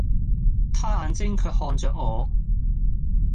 他眼睛卻看着我。